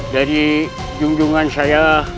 dari junjungan saya